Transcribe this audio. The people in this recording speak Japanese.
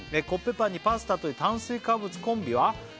「コッペパンにパスタという炭水化物コンビは」